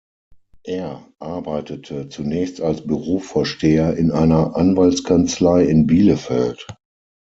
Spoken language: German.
Er arbeitete zunächst als Bürovorsteher in einer Anwaltskanzlei in Bielefeld.